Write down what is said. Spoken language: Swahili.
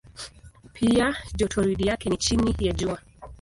Pia jotoridi yake ni chini ya Jua.